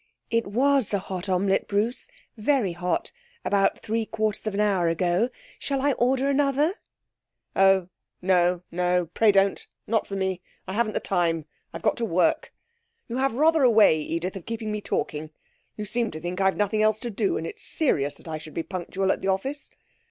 'It was a hot omelette, Bruce very hot about three quarters of an hour ago. Shall I order another?' 'No oh, no pray don't not for me. I haven't the time. I've got to work. You have rather a way, Edith, of keeping me talking. You seem to think I've nothing else to do, and it's serious that I should be punctual at the office.